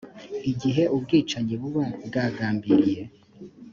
igihe ubwicanyi buba bwagambiriye